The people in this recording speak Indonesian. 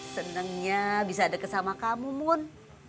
senangnya bisa deket sama kamu mun